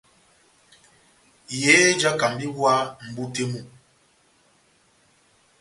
Yehé jáhákamba iwa mʼbú tɛ́h mú.